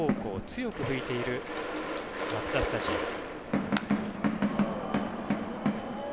強く吹いているマツダスタジアム。